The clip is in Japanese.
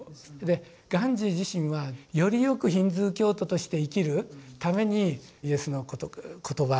ガンジー自身はよりよくヒンズー教徒として生きるためにイエスの言葉